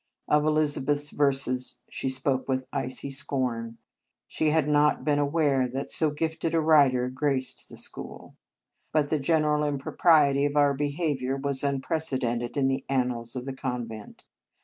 Of Elizabeth s verses she spoke with icy scorn; she had not been aware that so gifted a writer graced the school; but the general impropriety of our behaviour was unprecedented in the annals of the convent.